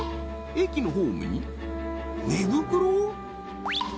駅のホームに寝袋？